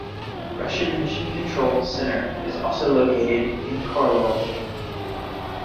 Russian Mission Control Center is also located in Korolyov.